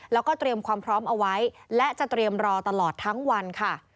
แล้วก็เตรียมความพร้อมเอาไว้และจะเตรียมรอตลอดทั้งวันค่ะ